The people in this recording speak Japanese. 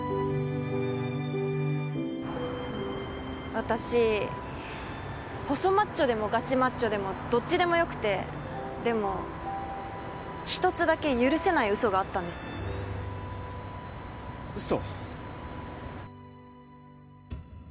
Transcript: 私細マッチョでもガチマッチョでもどっちでもよくてでも１つだけ許せない嘘があったんです嘘？